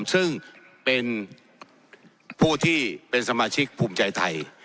ซึ่งเป็นผู้ที่เป็นสมาชิกภูมิใจไทย